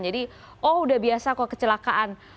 jadi oh udah biasa kok kecelakaan